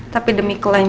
tapi demi kelanjangan